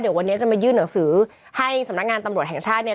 เดี๋ยววันนี้จะมายื่นหนังสือให้สำนักงานตำรวจแห่งชาติเนี่ย